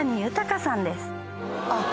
あっ。